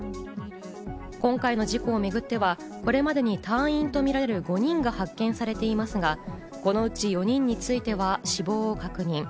今回の事故をめぐっては、これまでに隊員と見られる５人が発見されていますが、このうち４人については死亡を確認。